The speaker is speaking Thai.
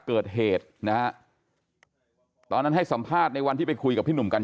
เกิดเหตุนะฮะตอนนั้นให้สัมภาษณ์ในวันที่ไปคุยกับพี่หนุ่มกัน